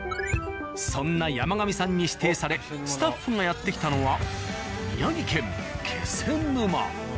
そんな山上さんに指定されスタッフがやって来たのは。